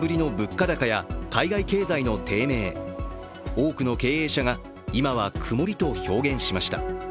多くの経営者が、今は曇りと表現しました。